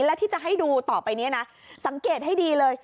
และที่จะให้ดูต่อไปนี้นะสังเกตให้ดีเลย